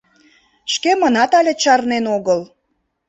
— Шкемынат але чарнен огыл...